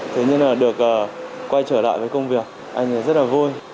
thế nhưng được quay trở lại với công việc anh rất là vui